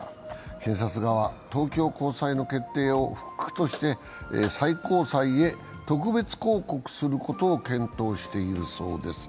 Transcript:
検察側は東京高裁の決定を不服として、最高裁へ特別抗告することを検討しているそうです。